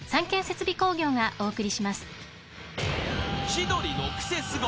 ［『千鳥のクセスゴ！』